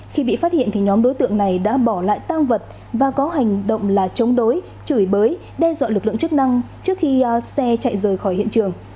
khi bị phát hiện thì nhóm đối tượng này đã bỏ lại tang vật và có hành động là chống đối chửi bới đe dọa lực lượng chức năng trước khi xe chạy rời khỏi hiện trường